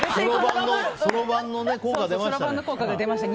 そろばんの効果が出ましたね。